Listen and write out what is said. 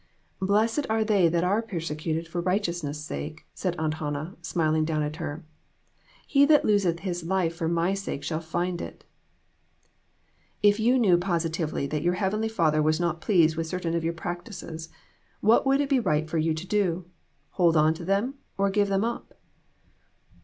"'Blessed are they that are persecuted for righteousness, sake V' said Aunt Hannah, smiling down at her; "'he that loseth his life for my sake shall find it V "If you knew positively that your heavenly Father was not pleased with certain of your prac tices, what would it be right for you to do hold on to them or give them up?"